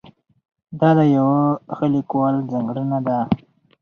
دا د یوه ښه لیکوال ځانګړنه ده.